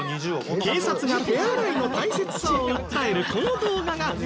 警察が手洗いの大切さを訴えるこの動画が大反響。